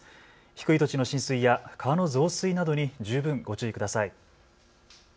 低い土地の浸水や川の増水などに十分ご注意ください。